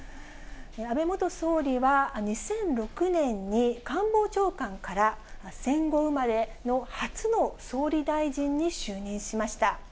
安倍元総理は２００６年に、官房長官から戦後生まれの初の総理大臣に就任しました。